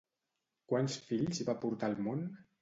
Quants fills va portar al món?